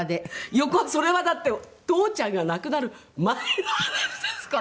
横浜それはだって父ちゃんが亡くなる前の話ですから。